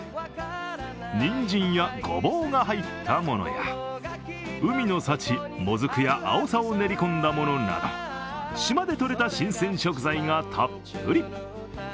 にんじんや、ごぼうが入ったものや海の幸、もずくやあおさを練り込んだものなど島でとれた新鮮食材がたっぷり。